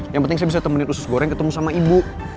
yang penting saya bisa temenin usus goreng ketemu sama ibu